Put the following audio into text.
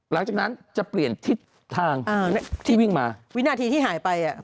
หลังจากนั้นจะเปลี่ยนทิศทางอ่าที่วิ่งมาวินาทีที่หายไปอ่ะ